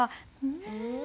うん。